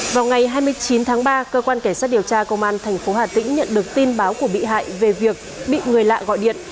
vào ngày hai mươi chín tháng ba cơ quan cảnh sát điều tra công an tp hà tĩnh nhận được tin báo của bị hại về việc bị người lạ gọi điện